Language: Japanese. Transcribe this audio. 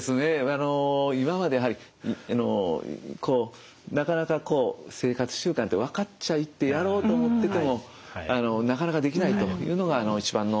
あの今までやはりなかなか生活習慣って分かっちゃいてやろうと思っててもなかなかできないというのが一番の限界ですね。